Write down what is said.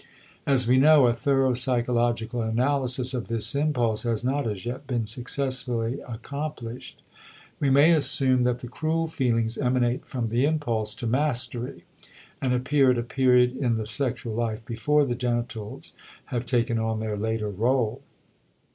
As we know, a thorough psychological analysis of this impulse has not as yet been successfully accomplished; we may assume that the cruel feelings emanate from the impulse to mastery and appear at a period in the sexual life before the genitals have taken on their later rôle.